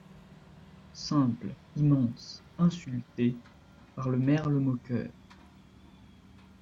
Simple, immense, insulté. par le merle moqueur.